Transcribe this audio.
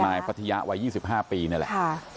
นายปฏิยะวัย๒๕ปีนั่นแหละ